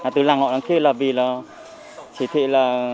từ làng họ đằng kia là vì là chỉ thị là